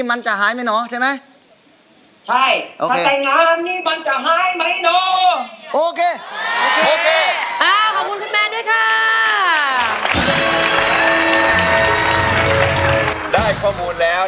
เพราะว่าเขาก็เติมที่แล้วแล้วก็ช่วยเติมที่แล้ว